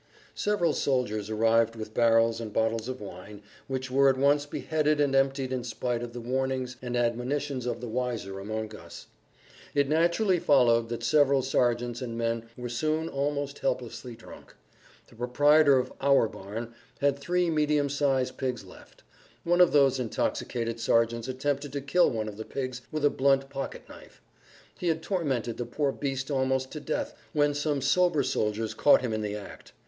Several soldiers arrived with barrels and bottles of wine, which were at once beheaded and emptied in spite of the warnings and admonitions of the wiser amongst us. It naturally followed that several sergeants and men were soon almost helplessly drunk. The proprietor of "our" barn had three medium sized pigs left. One of those intoxicated sergeants attempted to kill one of the pigs with a blunt pocket knife. He had tormented the poor beast almost to death when some sober soldiers caught him in the act.